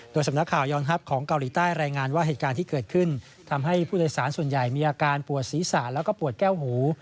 สำนักข่าวยอนฮัพของเกาหลีใต้รายงานว่าเหตุการณ์ที่เกิดขึ้นทำให้ผู้โดยสารส่วนใหญ่มีอาการปวดศีรษะแล้วก็ปวดแก้วหู